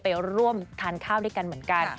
ไปร่วมทานข้าวด้วยกันเหมือนกัน